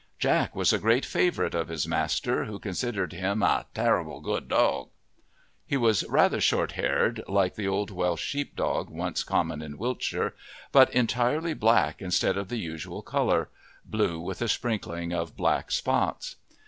Jack was a great favourite of his master, who considered him a "tarrable good dog." He was rather short haired, like the old Welsh sheepdog once common in Wiltshire, but entirely black instead of the usual colour blue with a sprinkling of black spots.